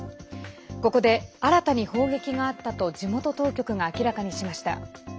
ここで新たに砲撃があったと地元当局が明らかにしました。